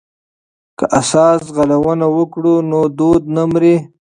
که اس ځغلونه وکړو نو دود نه مري.